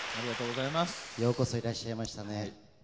ようこそいらっしゃいましたね。